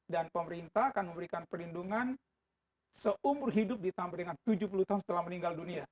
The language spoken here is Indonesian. dan pemerintah akan memberikan perlindungan seumur hidup ditambah dengan tujuh puluh tahun setelah meninggal dunia